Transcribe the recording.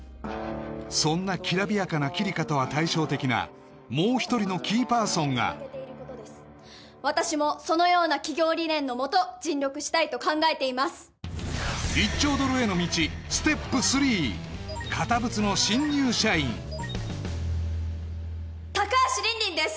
そんな煌びやかなキリカとは対照的なもう一人のキーパーソンが私もそのような企業理念のもと尽力したいと考えています高橋凜々です